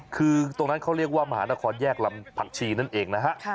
คือตรงนั้นเขาเรียกว่ามหานครแยกลำผักชีนั่นเองนะฮะ